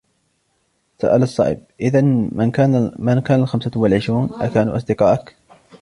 سأل الصائب: " إذن من كان الخمسة والعشرون ؟ أكانوا أصدقاءك ؟"